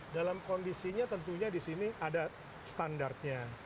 dalam kondisinya tentunya di sini ada standarnya